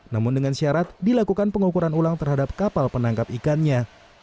namun dengan syarat dilakukan pengukuran ulang terhadap kapal penangkap ikannya